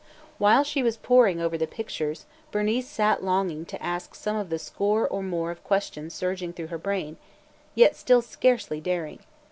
While she was poring over the pictures Bernice sat longing to ask some of the score or more of questions surging through her brain, yet still scarcely daring.